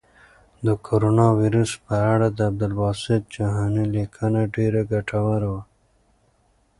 د کرونا وېروس په اړه د عبدالباسط جهاني لیکنه ډېره ګټوره وه.